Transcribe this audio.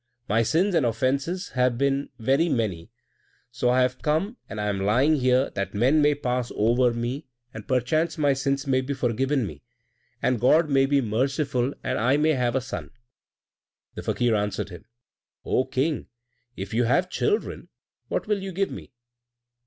My sins and offences have been very many, so I have come and am lying here that men may pass over me, and perchance my sins may be forgiven me, and God may be merciful, and I may have a son." The Fakir answered him, "Oh King! If you have children, what will you give me?"